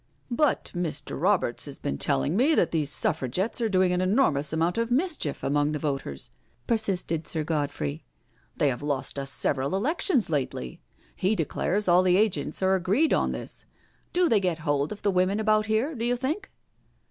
" But Mr. Roberts has been telling me that these Suffragettes are doing an enormous amount of mischief among the voters," persisted Sir Godfrey; *' they have lost us several elections lately — he declares all the agents are agreed on this. Do they get hold of the women about here, do you think?"